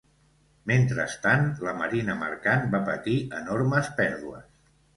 Mentrestant, la marina mercant va patir enormes pèrdues.